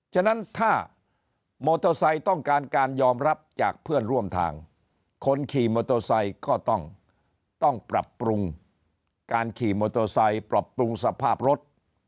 ฉะนั้นถ้ามอเตอร์ไซค์ต้องการการยอมรับจากเพื่อนร่วมทางคนขี่มอเตอร์ไซค์ก็ต้องปรับปรุงการขี่มอเตอร์ไซค์ปรับปรุงสภาพรถ